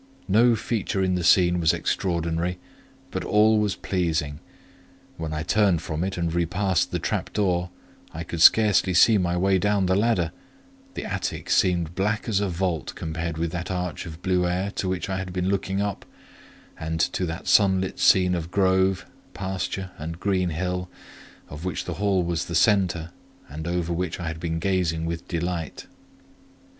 No feature in the scene was extraordinary, but all was pleasing. When I turned from it and repassed the trap door, I could scarcely see my way down the ladder; the attic seemed black as a vault compared with that arch of blue air to which I had been looking up, and to that sunlit scene of grove, pasture, and green hill, of which the hall was the centre, and over which I had been gazing with delight.